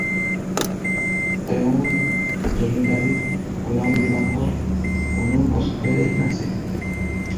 তেওঁৰ "জমিদাৰীত" গোলামবিলাকৰ কোনো কষ্টয়েই নাছিল।